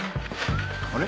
あれ？